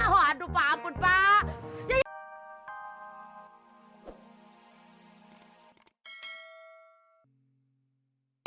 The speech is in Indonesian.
waduh pak ampun pak